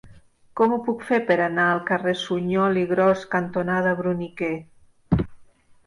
Com ho puc fer per anar al carrer Suñol i Gros cantonada Bruniquer?